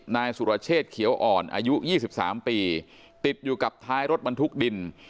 นายสุรเชษเขียวอ่อนอายุ๒๓ปีติดอยู่กับท้ายรถบรรทุกดิน